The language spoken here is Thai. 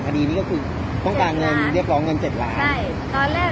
แต่ตอนนี้เปลี่ยนการเป็นของเงินเจ็ดล้านอ๋อต่วนี้คือ